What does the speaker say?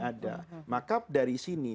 ada maka dari sini